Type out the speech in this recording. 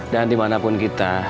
dan dimanapun kita